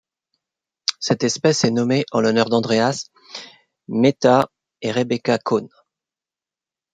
Cette espèce est nommée en l'honneur d'Andreas, Meeta et Rebekka Kaune.